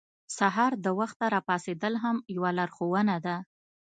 سهار د وخته راپاڅېدل هم یوه لارښوونه ده.